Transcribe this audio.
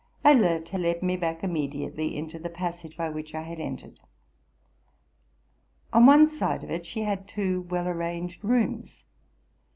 Alerte led me back immediately into the pas sage by which I had entered. On one side of it she had two well arranged rooms.